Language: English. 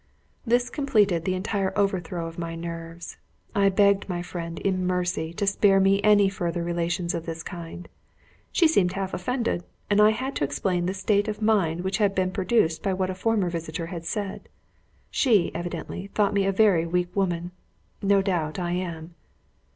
This completed the entire overthrow of my nerves. I begged my friend, in mercy to spare me any further relations of this kind. She seemed half offended, and I had to explain the state of mind which had been produced by what a former visitor had said. She, evidently, thought me a very weak woman. No doubt I am.